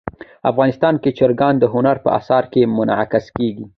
افغانستان کې چرګان د هنر په اثار کې منعکس کېږي.